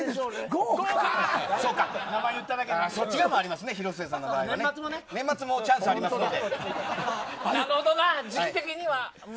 そっちがありますね広末さんの場合年末もチャンスありますんで。